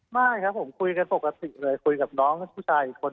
ไม่ครับผมคุยกันปกติเลยคุยกับน้องผู้ชายอีกคน